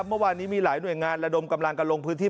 เมื่อวานนี้มีหลายหน่วยงานระดมกำลังกันลงพื้นที่